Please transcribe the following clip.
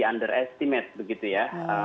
underestimate begitu ya